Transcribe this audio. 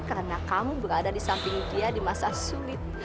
karena kamu berada di samping dia di masa sulit